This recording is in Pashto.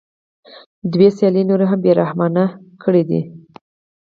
دوی سیالي نوره هم بې رحمانه کړې ده